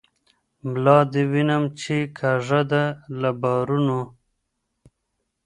ملا دي وینم چی کږه ده له بارونو